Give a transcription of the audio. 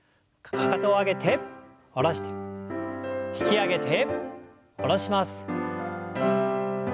かかとを上げて下ろして引き上げて下ろします。